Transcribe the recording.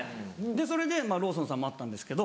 でそれでローソンさんもあったんですけど。